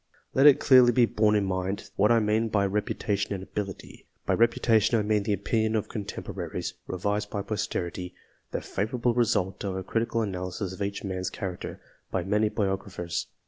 Let it clearly be borne in mind, what I mean by repu tation and ability. By reputation, I mean the opinion oi contemporaries, revised by posterity the favourable result of a critical analysis of each man's character, by many biographers.